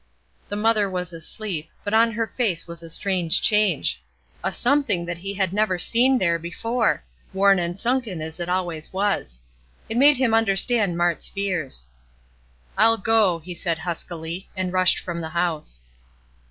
The mother was asleep, but on her face was a strange change a something that he had never seen there before, worn and sunken as it always was. It made him understand Mart's fears. "I'll go," he said huskily, and rushed from the house.